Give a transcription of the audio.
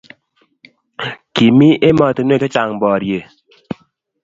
Kimii emotinwek che chang borie.